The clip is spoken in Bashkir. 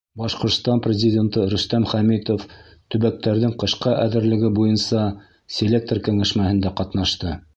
Башҡортостан Президенты Рөстәм Хәмитов төбәктәрҙең ҡышҡа әҙерлеге буйынса селектор кәңәшмәһендә ҡатнашты.